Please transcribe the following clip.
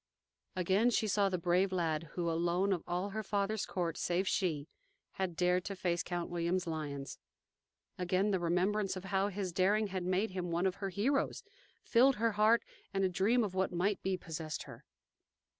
Again she saw the brave lad who alone of all her father's court, save she, had dared to face Count William's lions; again the remembrance of how his daring had made him one of her heroes, filled her heart, and a dream of what might be possessed her.